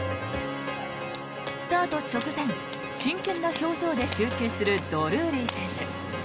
スタート直前真剣な表情で集中するドルーリー選手。